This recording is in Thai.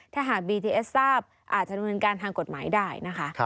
ถ้าหากบีทีเอสทราบอาจจะดำเนินการทางกฎหมายได้นะคะ